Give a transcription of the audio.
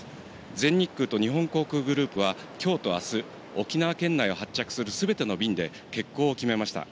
全日空と日本航空グループは、きょうとあす、沖縄県内を発着するすべての便で、欠航を決めました。